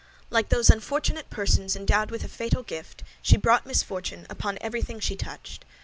Like those unfortunate persons endowed with a fatal gift, she brought misfortune upon everything she touched.